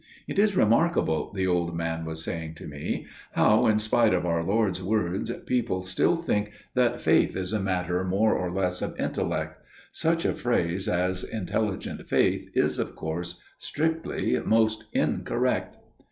"It is remarkable," the old man was saying to me, "how in spite of our Lord's words people still think that faith is a matter more or less of intellect. Such a phrase as 'intelligent faith' is, of course, strictly most incorrect."